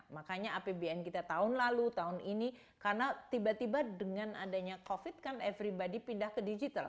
makanya apbn kita tahun lalu tahun ini karena tiba tiba dengan adanya covid kan everybody pindah ke digital